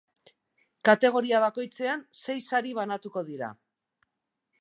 Kategoria bakoitzean sei sari banatuko dira.